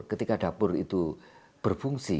ketika dapur itu berfungsi